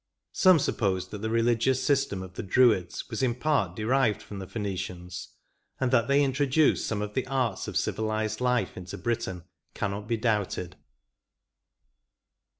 Some suppose that the religious system of the Druids was in part derived from the Phenicians, and that they intro duced some of the arts of civilised life into Britain cannot be doubted.